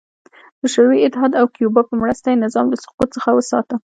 د شوروي اتحاد او کیوبا په مرسته یې نظام له سقوط څخه وساته.